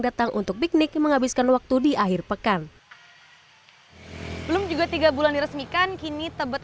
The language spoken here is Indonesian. datang untuk piknik menghabiskan waktu di akhir pekan belum juga tiga bulan diresmikan kini tebet